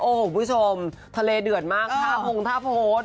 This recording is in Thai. โอ้โหคุณผู้ชมทะเลเดือดมากท่าพงท่าโพสต์